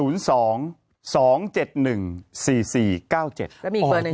แล้วมีเปล่าไหม